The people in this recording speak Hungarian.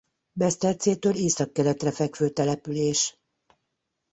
Besztercétől északkeletre fekvő település.